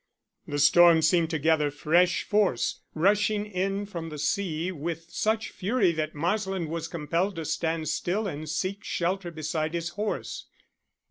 The storm seemed to gather fresh force, rushing in from the sea with such fury that Marsland was compelled to stand still and seek shelter beside his horse.